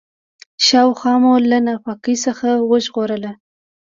شاوخوا مو له ناپاکۍ څخه وژغورله.